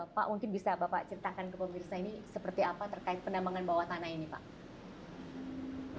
pak mungkin bisa bapak ceritakan ke pemirsa ini seperti apa terkait penambangan bawah tanah ini pak